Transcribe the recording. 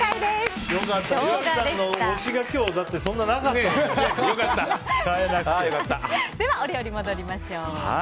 では、お料理戻りましょう。